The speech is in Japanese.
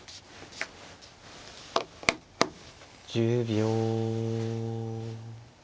１０秒。